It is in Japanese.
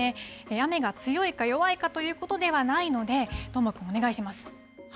雨が強いか弱いかということではないので、どーもくん、お願いします。